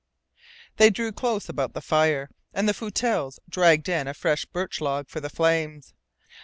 They drew close about the fire, and the Foutelles dragged in a fresh birch log for the flames.